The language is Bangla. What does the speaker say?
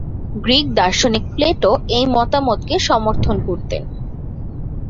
গ্রীক দার্শনিক প্লেটো এই মতামতকে সমর্থন করতেন।